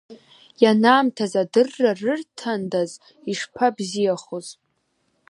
Ианаамҭаз адырра рырҭандаз ишԥабзиахоз.